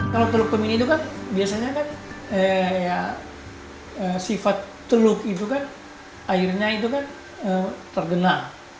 kalau teluk tomini itu kan biasanya sifat teluk itu kan airnya itu kan tergena